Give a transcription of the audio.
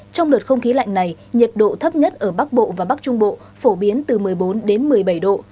trong đợt không khí lạnh này nhiệt độ thấp nhất ở bắc bộ và bắc trung bộ phổ biến từ một mươi bốn đến một mươi bảy độ